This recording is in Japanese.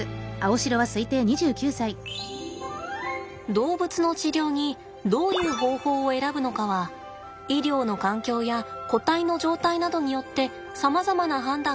動物の治療にどういう方法を選ぶのかは医療の環境や個体の状態などによってさまざまな判断がありえます。